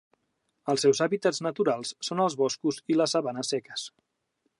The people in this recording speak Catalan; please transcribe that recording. Els seus hàbitats naturals són els boscos i les sabanes seques.